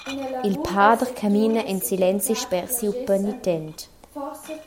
Il pader camina en silenzi sper siu penitent.